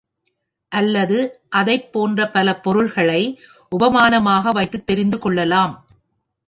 அல்லது அதைப்போன்ற பல பொருள்களை உபமானமாக வைத்துத் தெரிந்து கொள்ளலாம்.